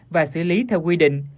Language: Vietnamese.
và xử lý theo quy định